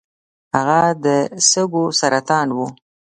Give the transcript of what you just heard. هغه د سږو سرطان و .